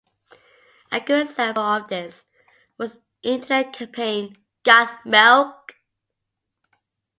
A good example of this was internet campaign "Got Milk".